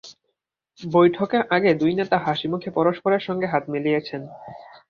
বৈঠকের আগে দুই নেতা হাসিমুখে পরস্পরের সঙ্গে হাত মিলিয়েছেন।